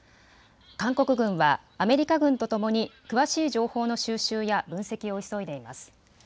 韓国軍はアメリカ軍とともに詳しい情報の収集や分析を急いでいます。